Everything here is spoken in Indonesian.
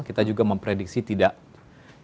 kita juga memprediksi tidak jauh berbeda